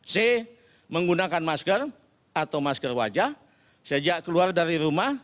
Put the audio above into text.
c menggunakan masker atau masker wajah sejak keluar dari rumah